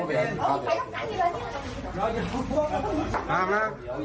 เป็นคนกี้เหงา